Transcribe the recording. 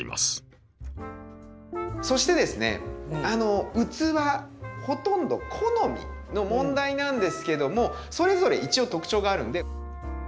そしてですね器ほとんど好みの問題なんですけどもそれぞれ一応特徴があるんで。